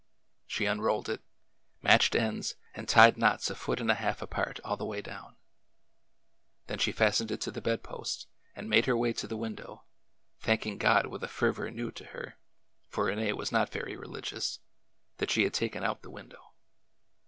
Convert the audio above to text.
She unrolled it, matched ends, and tied knots a foot and a half apart all the way down. Then she fastened it to the bed post and made her way to the window, thanking God with a fervor new to her— for Rene was not very religious— that she had taken out the window.